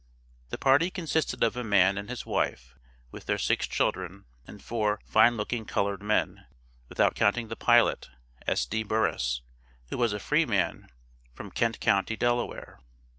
The party consisted of a man and his wife, with their six children, and four fine looking colored men, without counting the pilot, S.D. Burris, who was a free man, from Kent county, Delaware.